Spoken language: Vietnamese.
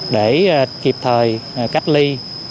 để kịp thời cách ly